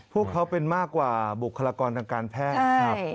พวกเขาเป็นมากกว่าบุคลากรทางการแพทย์ครับ